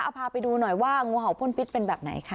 พาไปดูหน่อยว่างูเห่าพ่นพิษเป็นแบบไหนคะ